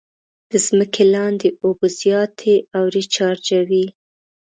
د ځمکې لاندې اوبه زیاتې او ریچارجوي.